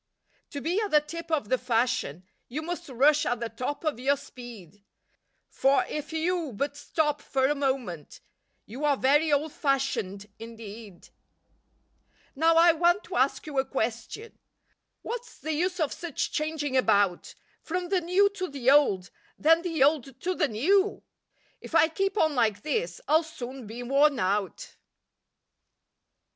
To be at the tip of the fashion, You must rush at the top of your speed, For if you but stop for a moment, You are very "old fashioned" indeed Now I want to ask you a question, What's the use of such changing about From the "new to the old," then the "old to the new?" If I keep on like this I'll soon be worn out.